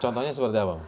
contohnya seperti apa